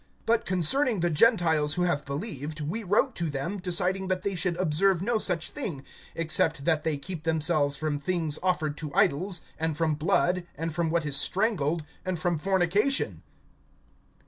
(25)But concerning the Gentiles who have believed, we wrote to them, deciding that they should observe no such thing, except that they keep themselves from things offered to idols, and from blood, and from what is strangled, and from fornication.